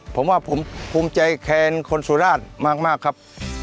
ผมว่าผมภูมิใจแทนคนสุราชมากครับ